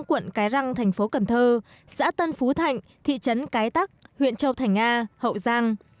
quận cái răng thành phố cần thơ xã tân phú thạnh thị trấn cái tắc huyện châu thành a hậu giang